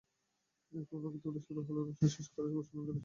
এরপর বাগবিতণ্ডা শুরু হলে অনুষ্ঠান শেষ করার ঘোষণা দেন সঞ্চালক অঞ্জন রায়।